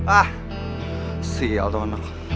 ah si ial toh anak